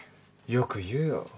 よく言うよ。